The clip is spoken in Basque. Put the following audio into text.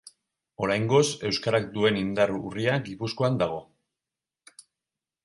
Oraingoz euskarak duen indar urria Gipuzkoan dago.